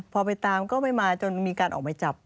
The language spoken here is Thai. พอไปตามก็ไม่มาจนมีการออกหมายจับ